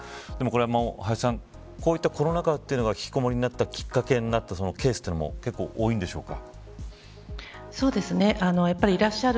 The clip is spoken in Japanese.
これは、林さんこういったコロナ禍がひきこもりのきっかけになったケースも結構多いんでしょうか。